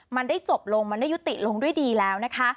มันได้จบลงมันได้ยุติลงด้วยดีแล้วนะคะ